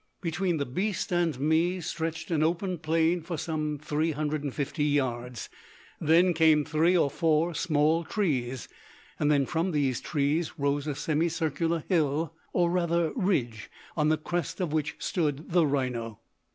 Between the beast and me, stretched an open plain for some 350 yards, then came three or four small trees, and then from these trees rose a semi circular hill or rather ridge, on the crest of which stood the rhino.